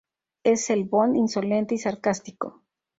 Es el "Bond" insolente y sarcástico.